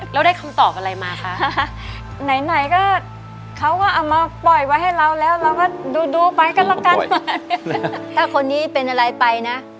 เราทำไมต้องมาเป็นอย่างนี้ว่านี่